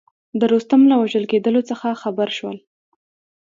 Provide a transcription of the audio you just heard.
د رستم له وژل کېدلو څخه خبر شول.